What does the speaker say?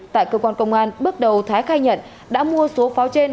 tại cơ quan công an bước đầu thái khai nhận đã mua số pháo trên